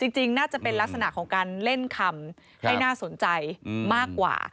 จริงน่าจะเป็นลักษณะของการเล่นคำให้น่าสนใจมากกว่า